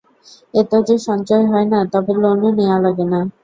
এতো যে সঞ্চয় হয় না, তবে লোনও নেয়া লাগে না।